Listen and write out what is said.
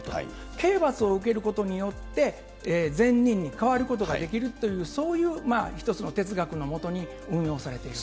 刑罰を受けることによって、善人に変わることができるという、そういう一つの哲学のもとに運用されている。